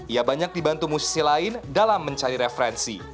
ia banyak dibantu musisi lain dalam mencari referensi